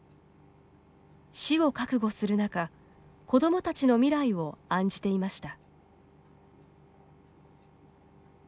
死を覚悟する中、子どもたちの未来を案じていました。